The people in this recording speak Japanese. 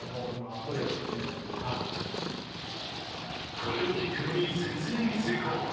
これをきっかけに先制に成功。